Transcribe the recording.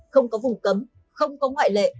không có vùng cấm không có ngoại lệ